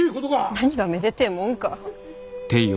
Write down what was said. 何がめでてぇもんか。